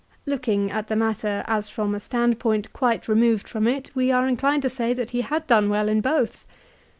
Looking at the matter as from a standpoint quite removed from it we are inclined to say that he had done well in both.